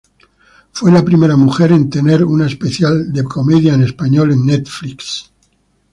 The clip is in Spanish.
Fue la primera mujer en tener un especial de comedia en español en Netflix.